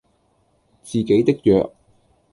自己的弱